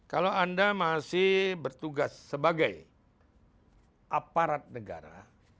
kalau anda masih bertugas sebagai aparat negara